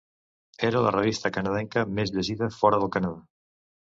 Era la revista canadenca més llegida fora del Canadà.